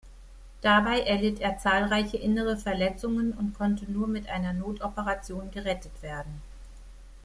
Dabei erlitt er zahlreiche innere Verletzungen und konnte nur mit einer Notoperation gerettet werden.